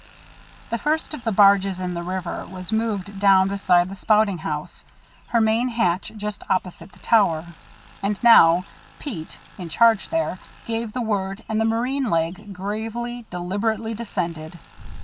The first of the barges in the river was moved down beside the spouting house, her main hatch just opposite the tower. And now Pete, in charge there, gave the word, and the marine leg, gravely, deliberately descended.